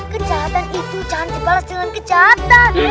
kejahatan itu jangan dibalas dengan kejahatan